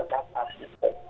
jadi semua tertata